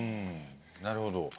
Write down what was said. なるほど。